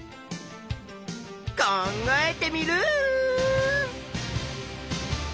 考えテミルン！